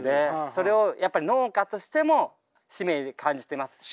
それをやっぱ農家としても使命感じてますし。